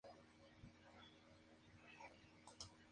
Se recomienda su uso para aliviar dolores de boca, catarro y calentura.